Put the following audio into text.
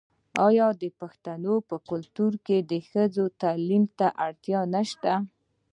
آیا د پښتنو په کلتور کې د ښځو تعلیم ته اړتیا نشته؟